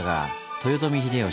豊臣秀吉